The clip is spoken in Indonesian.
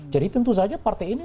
jadi tentu saja partai ini